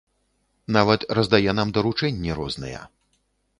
Нават раздае нам даручэнні розныя.